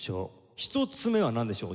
１つ目はなんでしょう？